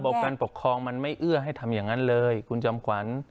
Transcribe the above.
การปกครองมันไม่เอื้อให้ทำอย่างนั้นเลยคุณจอมขวัญ